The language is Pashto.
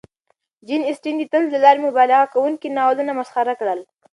جین اسټن د طنز له لارې مبالغه کوونکي ناولونه مسخره کړل.